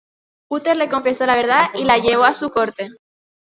Uther le confesó la verdad y la llevó a su corte.